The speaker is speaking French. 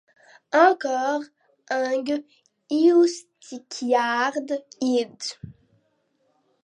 Encores ung iusticiard id.